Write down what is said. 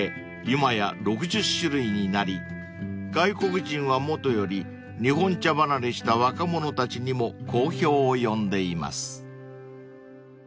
今や６０種類になり外国人はもとより日本茶離れした若者たちにも好評を呼んでいます］